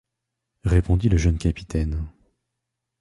répondit le jeune capitaine.